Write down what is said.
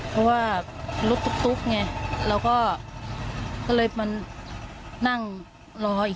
เพราะว่ารถตุ๊กไง